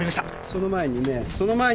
その前にね！